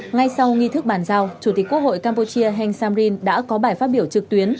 ngay sau nghi thức bàn giao chủ tịch quốc hội campuchia heng samrin đã có bài phát biểu trực tuyến